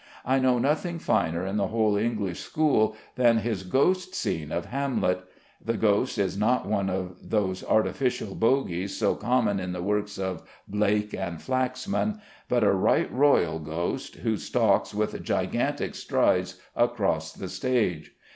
I know nothing finer in the whole English school than his ghost scene of "Hamlet." The ghost is not one of those artificial bogies, so common in the works of Blake and Flaxman, but a right royal ghost, who stalks with gigantic strides across the stage.